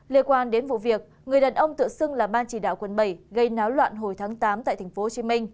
liên quan đến vụ việc người đàn ông tự xưng là ban chỉ đạo quận bảy gây náo loạn hồi tháng tám tại tp hcm